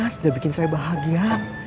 sudah bikin saya bahagia